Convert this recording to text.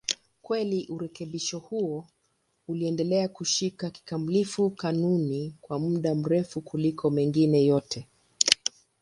Kweli urekebisho huo uliendelea kushika kikamilifu kanuni kwa muda mrefu kuliko mengine yote.